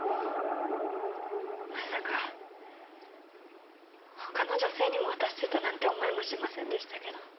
まさか他の女性にも渡してたなんて思いもしませんでしたけど。